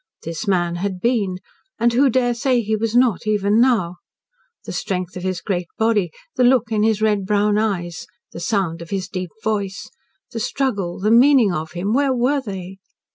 This man had been, and who dare say he was not even now? The strength of his great body, the look in his red brown eyes, the sound of his deep voice, the struggle, the meaning of him, where were they?